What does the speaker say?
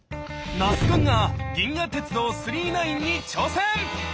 那須くんが「銀河鉄道９９９」に挑戦！